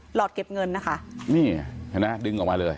หอดเก็บเงินนะคะนี่เห็นไหมดึงออกมาเลย